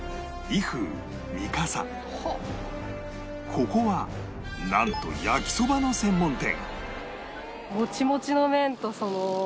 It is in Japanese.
ここはなんと焼きそばの専門店